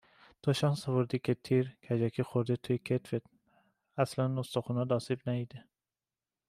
تو شانس آوردی که تیر، کجکی خورده توی کتفت! اصلن استخونات آسیب ندیده